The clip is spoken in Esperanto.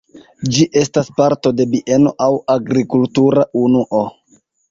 Ĝi estas parto de bieno aŭ agrikultura unuo.